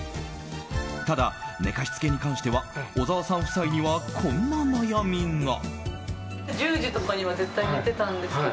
ただ、寝かしつけに関しては小澤さん夫妻には、こんな悩みが。